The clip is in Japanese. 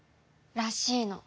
らしいの。